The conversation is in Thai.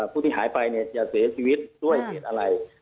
ผู้ที่หายไปจะเสียชีวิตด้วยเหตุอะไร